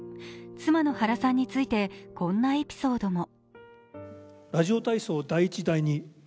妻の原さんについて、こんなエピソードも。